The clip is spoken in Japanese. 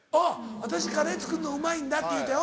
「私カレー作るのうまいんだ」って言うて。